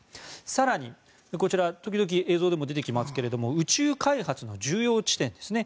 更に、こちらは時々映像でも出てきますけれど宇宙開発の重要地点ですね。